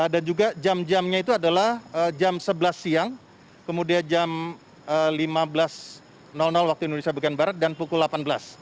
dan juga jam jamnya itu adalah jam sebelas siang kemudian jam lima belas waktu indonesia bukan barat dan pukul delapan belas